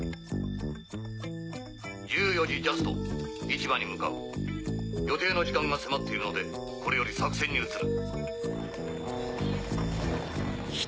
１４時ジャスト市場に向かう予定の時間が迫っているのでこれより作戦に移る。